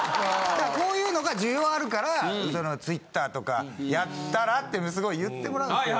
こういうのが需要あるからＴｗｉｔｔｅｒとかやったらってすごい言ってもらうんですけど。